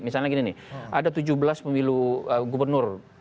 misalnya gini nih ada tujuh belas pemilu gubernur